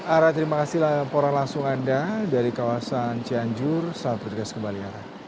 arah terima kasih laporan langsung anda dari kawasan cianjur sar bertugas kembali